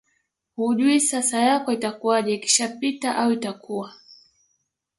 hujui sasa yako itakuwaje ikishapita au itakuwa